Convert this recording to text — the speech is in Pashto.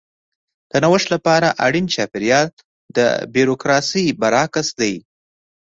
د نوښت لپاره اړین چاپېریال د بیوروکراسي برعکس دی.